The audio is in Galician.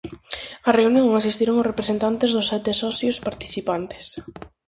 Á reunión asistiron os representantes dos sete socios participantes.